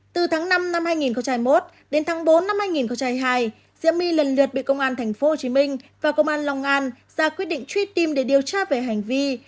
từ tháng năm năm hai nghìn một đến tháng bốn năm hai nghìn hai diễm bi lần lượt bị công an thành phố hồ chí minh và công an long an ra quyết định truy tìm để điều tra về hành vi